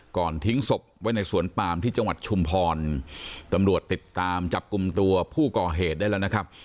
ทิ้งศพไว้ในสวนปามที่จังหวัดชุมพรตำรวจติดตามจับกลุ่มตัวผู้ก่อเหตุได้แล้วนะครับ